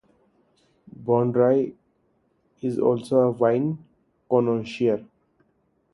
Baudry is also a wine connoisseur.